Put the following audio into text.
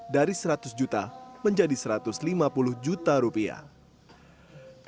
dari seratus juta menjadi satu ratus lima puluh juta rupiah